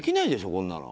こんなの。